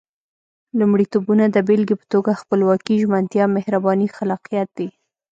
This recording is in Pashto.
لومړيتوبونه د بېلګې په توګه خپلواکي، ژمنتيا، مهرباني، خلاقيت دي.